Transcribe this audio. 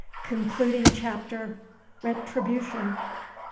CONCLUDING CHAPTER. Retribution.